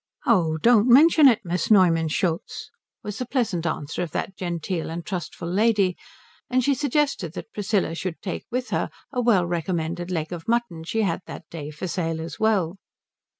"Oh don't mention it, Miss Neumann Schultz," was the pleasant answer of that genteel and trustful lady; and she suggested that Priscilla should take with her a well recommended leg of mutton she had that day for sale as well.